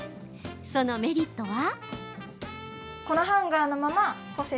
そのメリットは。